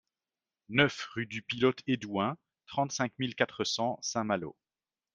neuf rue du Pilote Hédouin, trente-cinq mille quatre cents Saint-Malo